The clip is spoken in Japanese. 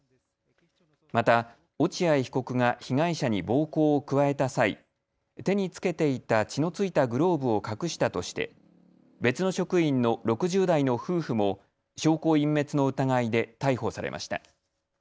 また落合被告が被害者に暴行を加えた際、手に着けていた血の付いたグローブを隠したとして別の職員の６０代の夫婦も証拠隠滅の疑いで逮捕されました。